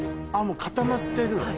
もう固まってるの？